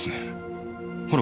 ほら